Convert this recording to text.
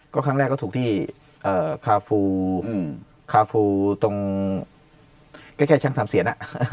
ก็ครั้งแรกก็ถูกที่คาฟูตรงแค่ชั่งสามเศียร